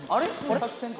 作戦か？